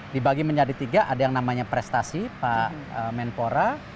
dibagi menjadi tiga ada yang namanya prestasi pak menpora